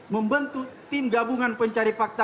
membentuk tim gabungan pencari fakta